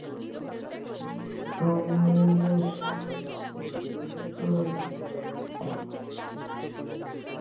মিলানে পরশু রিয়ালের জয়োৎসবের মুহূর্তটিতে হতাশ চোখে একবার আকাশের দিকে তাকিয়েছিলেন সিমিওনে।